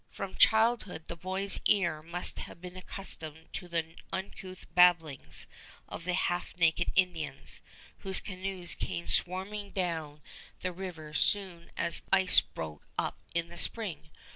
From childhood the boy's ear must have been accustomed to the uncouth babblings of the half naked Indians, whose canoes came swarming down the river soon as ice broke up in spring.